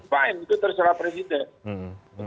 fine itu terserah presiden